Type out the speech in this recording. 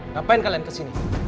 ngapain kalian kesini